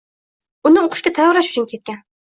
Uni o‘qishga tayyorlash uchun ketgan.